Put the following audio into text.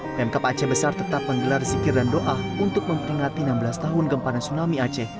pemkap aceh besar tetap menggelar zikir dan doa untuk memperingati enam belas tahun gempa dan tsunami aceh